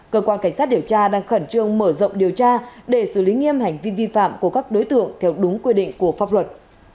cơ quan cảnh sát điều tra đang khẩn trương mở rộng điều tra để xử lý nghiêm hành vi vi phạm của các đối tượng theo đúng quy định của pháp luật